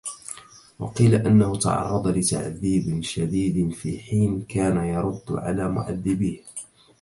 وقيل انه تعرض لتعذيب شديد في حين كان يرد على معذبيه